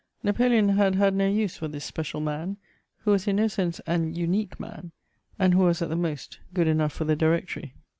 Napoleon had had no use for this special man, who was in no sense an unique man, and who was at the most good enough for the Directory.